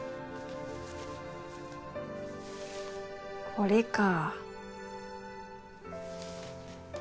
これか。